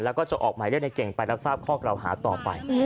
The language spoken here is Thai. แล้วก็จะออกใหม่ด้วยในเก่งไปแล้วทราบข้อเกล่าหาต่อไป